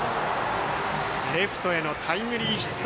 レフトへのタイムリーヒット。